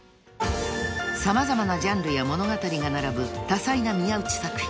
［様々なジャンルや物語が並ぶ多彩な宮内作品］